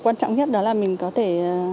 quan trọng nhất đó là mình có thể